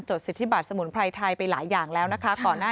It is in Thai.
สิทธิบัตรสมุนไพรไทยไปหลายอย่างแล้วนะคะก่อนหน้า